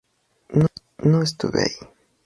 No estuve ahí.